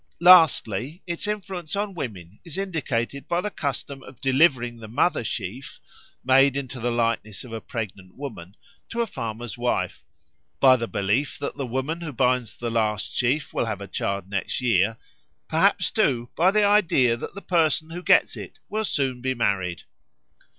Lastly, its influence on women is indicated by the custom of delivering the Mother sheaf, made into the likeness of a pregnant woman, to the farmer's wife; by the belief that the woman who binds the last sheaf will have a child next year; perhaps, too, by the idea that the person who gets it will soon be married.